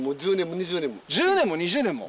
１０年も２０年も？